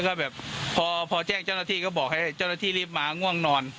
แกบอกอย่างนี้ครับให้รีบมาง่วงนอน